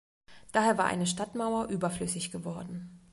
Daher war eine Stadtmauer überflüssig geworden.